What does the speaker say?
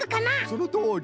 そのとおり！